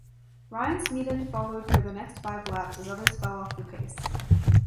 Ryan Smeeton followed for the next five laps as others fell off the pace.